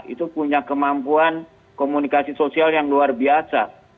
itu punya kemampuan komunikasi sosial yang luar biasa